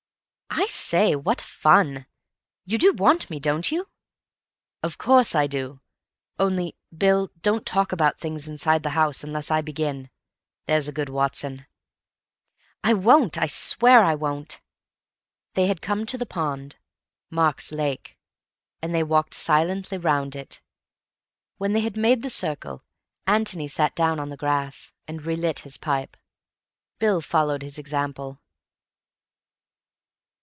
"I say, what fun! You do want me, don't you?" "Of course I do. Only, Bill don't talk about things _in_side the house, unless I begin. There's a good Watson." "I won't. I swear I won't." They had come to the pond—Mark's lake—and they walked silently round it. When they had made the circle, Antony sat down on the grass, and relit his pipe. Bill followed his example.